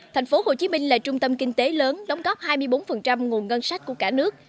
tp hcm là trung tâm kinh tế lớn đóng góp hai mươi bốn nguồn ngân sách của cả nước